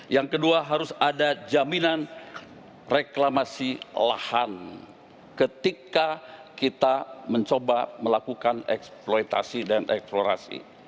yang kedua harus ada jaminan reklamasi lahan ketika kita mencoba melakukan eksploitasi dan eksplorasi